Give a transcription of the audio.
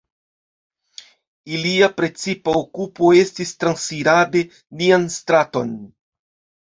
Ilia precipa okupo estis transiradi nian straton.